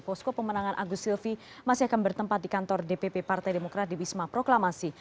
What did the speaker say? posko pemenangan agus silvi masih akan bertempat di kantor dpp partai demokrat di wisma proklamasi